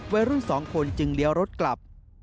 วัยรุ่น๒คนจึงเลี้ยวรถกลับ